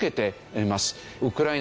ウクライナ